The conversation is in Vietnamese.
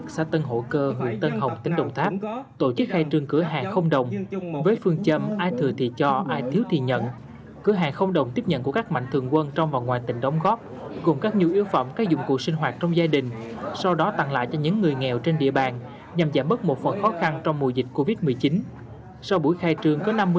sự hỗ trợ tận tình của ban dân các khóm và người dân trên địa bàn phường